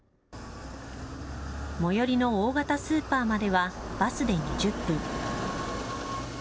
最寄りの大型スーパーまではバスで２０分。